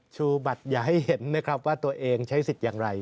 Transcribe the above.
ชูบัตรอย่าให้เห็นนะครับว่าตัวเองใช้สิทธิ์อย่างไร